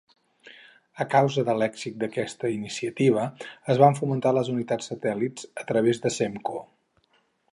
A causa de l'èxit d'aquesta iniciativa, es van fomentar les unitats satèl·lit a través de Semco.